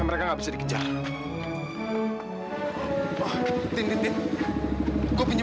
sampai jumpa di video selanjutnya